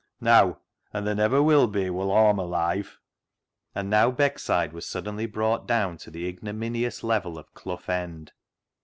Neaw, an' ther' never will be woll [while] Aw'm alive." And now Beckside was suddenly brought down to the ignominious level of Clough End.